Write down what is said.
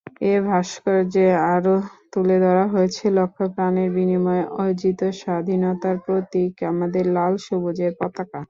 এ ভাস্কর্যে আরো তুলে ধরা হয়েছে লক্ষ প্রাণের বিনিময়ে অর্জিত স্বাধীনতার প্রতীক আমাদের লাল সবুজের পতাকা।